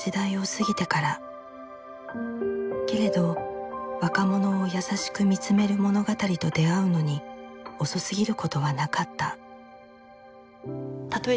けれど若者を優しく見つめる物語と出会うのに遅すぎることはなかった。